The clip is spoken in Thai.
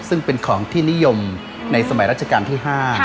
ซึ่งเป็นของที่นิยมในสมัยราชการที่๕